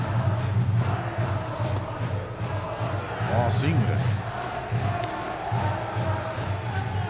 スイングです。